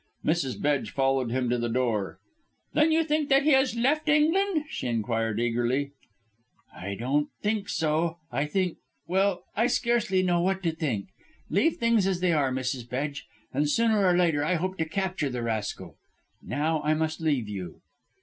Mrs. Bedge followed him to the door. "Then you think that he has left England?" she inquired eagerly. "I don't think so; I think well, I scarcely know what to think. Leave things as they are, Mrs. Bedge, and sooner or later I hope to capture the rascal. Now I must leave you."